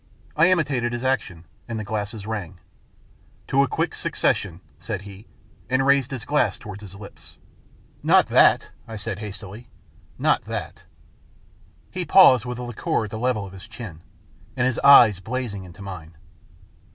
I imitated his action, and the glasses rang. " To a quick suc cession," said he, and raised his glass towards his lips. " Not that," I said hastily. " Not that." He paused, with the liqueur at the level of his chin, and his eyes blazing into mine.